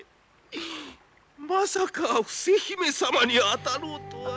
まさか伏姫様に当たろうとは。